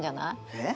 えっ？